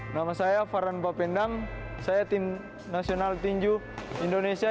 nama saya farhan bapendang saya tim nasional tinju indonesia